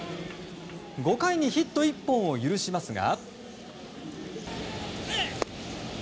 ５回にヒット１本を許しますが。